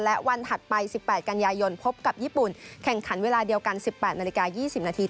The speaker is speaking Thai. และวันถัดไป๑๘กันยายนพบกับญี่ปุ่นแข่งขันเวลาเดียวกัน๑๘นาฬิกา๒๐นาที